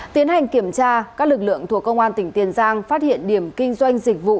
tiến hành kiểm tra các lực lượng thuộc công an tỉnh tiền giang phát hiện điểm kinh doanh dịch vụ